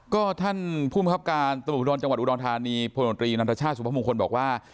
ก็ท่านผู้มีความคิดการตำรวจจังหวัดอุดอลธานีผู้โดรนตรีนัตรชาติสุภพมุงคลบอกว่า